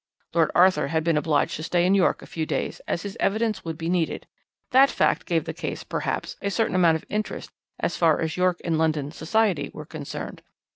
"Lord Arthur had been obliged to stay in York a few days, as his evidence would be needed. That fact gave the case, perhaps, a certain amount of interest as far as York and London 'society' were concerned.